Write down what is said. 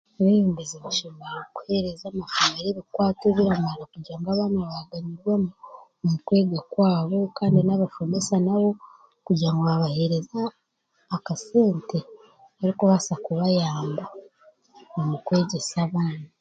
Ab'ebembezi bashemereire kuhereza amashomero ebikwato ebiramara okugira ngu abaana bagumizemu omu kwega kwabo kandi n'abashomesa nabo kugira ngu baabahereza akasente k'okubaasa kubayamba omu kwegyesa amaani.